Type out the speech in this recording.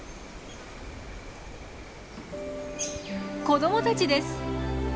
子どもたちです。